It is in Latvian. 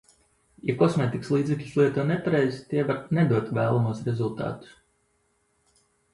Ja kosmētikas līdzekļus lieto nepareizi, tie var nedot vēlamos rezultātus.